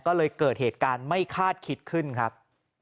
ก็เลยเกิดเหตุการณ์ไม่คาดคิดขึ้นครับ